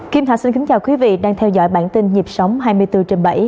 kim thạch xin kính chào quý vị đang theo dõi bản tin nhịp sống hai mươi bốn trên bảy